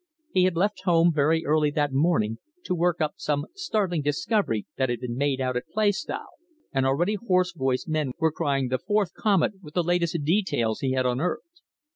He had left home very early that morning to work up some "startling discovery" that had been made out at Plaistow, and already hoarse voiced men were crying the "Fourth Comet" with the "latest details" he had unearthed.